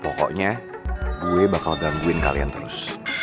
pokoknya gue bakal gangguin kalian terus